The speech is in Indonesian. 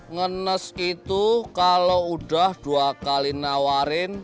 ngenes itu kalau udah dua kali nawarin